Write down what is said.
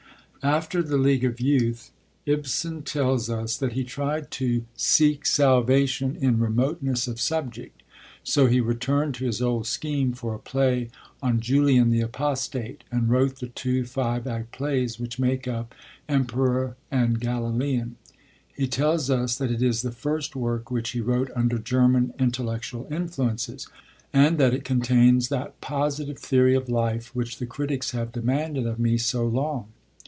After The League of Youth Ibsen tells us that he tried to 'seek salvation in remoteness of subject'; so he returned to his old scheme for a play on Julian the Apostate, and wrote the two five act plays which make up Emperor and Galilean. He tells us that it is the first work which he wrote under German intellectual influences, and that it contains 'that positive theory of life which the critics have demanded of me so long.'